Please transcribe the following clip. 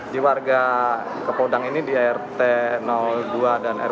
di warga kepodang ini di rt dua dan rw